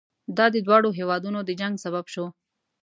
دا د دواړو هېوادونو د جنګ سبب شو.